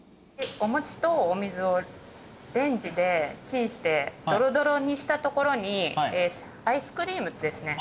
おもちとお水をレンジでチンしてドロドロにしたところにアイスクリームですね。